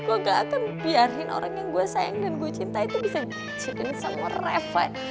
gue gak akan biarin orang yang gue sayang dan gue cinta itu bisa syukurin sama refline